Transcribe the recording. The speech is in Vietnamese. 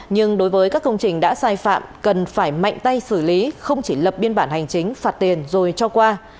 nhưng đối với các công trình đã sai phạm cần phải mạnh tay xử lý không chỉ lập biên bản hành chính phạt tiền rồi cho qua